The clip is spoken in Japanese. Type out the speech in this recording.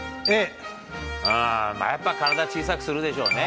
やっぱり体小さくするでしょうね。